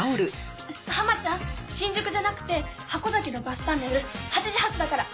ハマちゃん新宿じゃなくて箱崎のバスターミナル８時発だから。